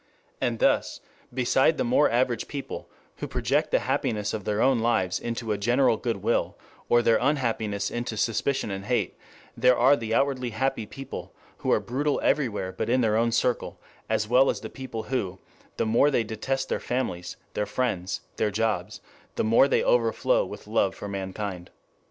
And thus, beside the more average people who project the happiness of their own lives into a general good will, or their unhappiness into suspicion and hate, there are the outwardly happy people who are brutal everywhere but in their own circle, as well as the people who, the more they detest their families, their friends, their jobs, the more they overflow with love for mankind.